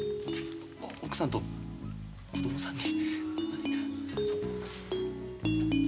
奥さんと子どもさんに。